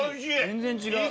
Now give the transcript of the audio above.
全然違う。